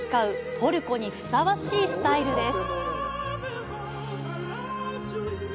トルコにふさわしいスタイルです。